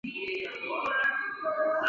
山皂荚为豆科皂荚属的植物。